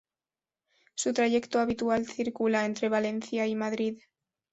Su trayecto habitual circula entre Valencia y Madrid.